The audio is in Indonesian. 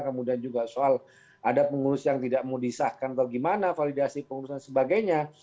kemudian juga soal ada pengurus yang tidak mau disahkan atau gimana validasi pengurusan sebagainya